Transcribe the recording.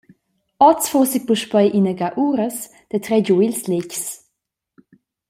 Oz fussi puspei inaga uras da trer giu ils letgs.